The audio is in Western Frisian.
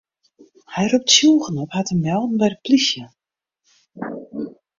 Hy ropt tsjûgen op har te melden by de plysje.